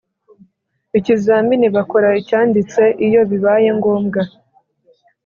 ikizamini bakora icyanditse Iyo bibaye ngombwa